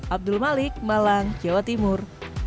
abdul malik malang jawa timur